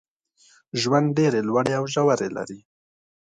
ژوند ډېري لوړي او ژوري لري.